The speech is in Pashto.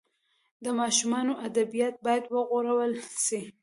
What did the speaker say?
د ماشومانو ادبیات باید وغوړول سي.